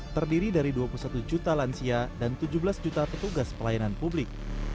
terdiri dari dua puluh satu juta lansia dan tujuh belas juta petugas pelayanan publik